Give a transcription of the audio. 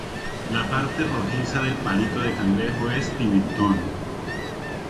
La parte rojiza del palito de cangrejo es pimentón.